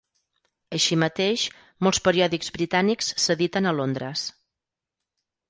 Així mateix, molts periòdics britànics s'editen a Londres.